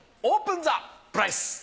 オープンザプライス！